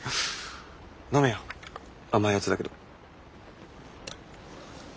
飲めよ甘いヤツだけど。